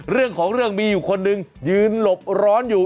เรื่องของเรื่องมีอยู่คนหนึ่งยืนหลบร้อนอยู่